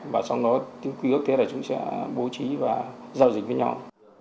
và sau đó tương ký ước thế là chúng sẽ bố trí và giao dịch với nhau